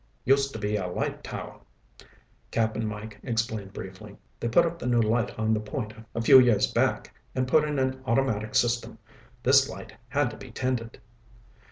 "Used to be a light tower," Cap'n Mike explained briefly. "They put up the new light on the point a few years back and put in an automatic system. This light had to be tended."